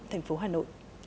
thành phố hà nội